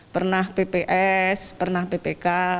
pernah pps pernah ppk